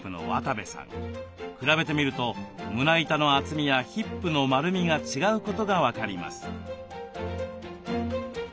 比べてみると胸板の厚みやヒップの丸みが違うことが分かります。